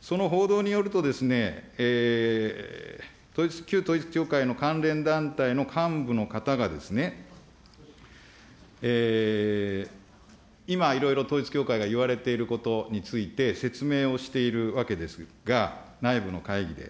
その報道によると、旧統一教会の関連団体の幹部の方がですね、今いろいろ統一教会が言われていることについて説明をしているわけですが、内部の会議で。